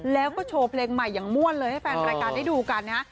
แล้วก็โชว์เพลงใหม่อย่างม่วนเลยให้แฟนรายการได้ดูกันนะฮะ